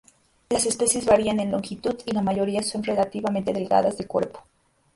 Las especies varían en longitud y la mayoría son relativamente delgadas de cuerpo.